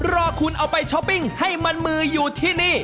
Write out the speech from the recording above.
รอคุณเอาไปช้อปปิ้งให้มันมืออยู่ที่นี่